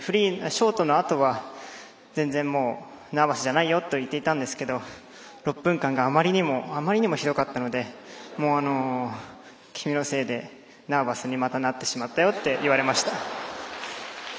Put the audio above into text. ショートのあとは全然、ナーバスじゃないよと言っていたんですけど６分間があまりにもひどかったので君のせいでナーバスにまたなってしまったよと言われてしまいました。